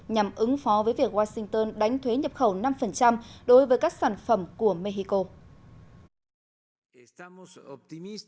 nhằm ứng phó với việc washington đưa ra một sản phẩm của mỹ